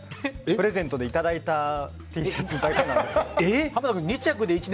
プレゼントでいただいたＴシャツだけなんですよ。